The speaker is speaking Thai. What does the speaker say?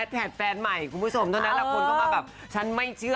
แท็ดแฟนใหม่คุณผู้ชมตอนนั้นละคนก็มาแบบฉันไม่เชื่อ